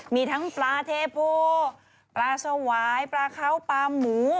มีทั้งปลาเทโพปลาสวายปลาเขาปลาหมู